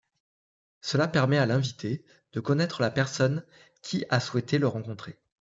Cela permet à l'invité de connaître la personne qui a souhaité le rencontrer.